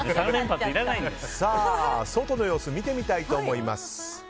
外の様子を見てみたいと思います。